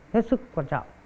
hết sức quan trọng